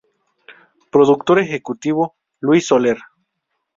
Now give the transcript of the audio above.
Productor ejecutivo: Luis Soler.